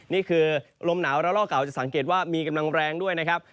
นี่คือลมหนาวระลอกเก่าจะสังเกตว่ามีกำลังแรงด้วยนะครับ